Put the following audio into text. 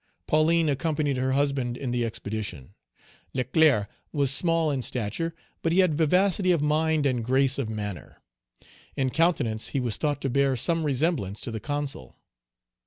Pauline accompanied her husband in the expedition. Leclerc was small in stature, but he had vivacity of mind and grace of manner. In countenance he was thought to bear some resemblance to the Consul.